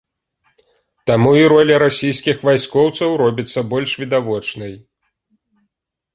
Таму і роля расійскіх вайскоўцаў робіцца больш відавочнай.